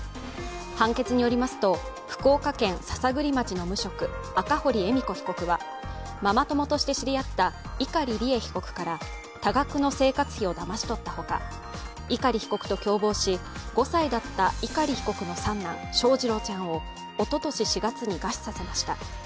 判決によりますと、福岡県篠栗町の無職・赤堀恵美子被告はママ友として知り合った碇利恵被告から多額の生活費をだまし取ったほか、碇被告と共謀し、５歳だった碇被告の三男翔士郎ちゃんをおととし４月に餓死させました。